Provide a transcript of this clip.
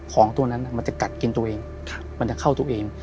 ของตัวนั้นมันจะกัดกินตัวเองมันจะเข้าตัวเอง